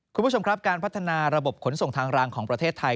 คุณผู้ชมครับการพัฒนาระบบขนส่งทางรางของประเทศไทย